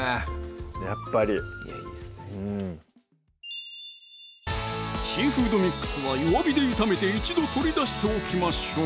やっぱりうんシーフードミックスは弱火で炒めて一度取り出しておきましょう